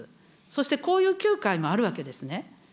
そしてこういう９回もあるわけですね。